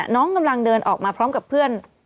กำลังเดินออกมาพร้อมกับเพื่อน